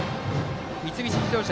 三菱自動車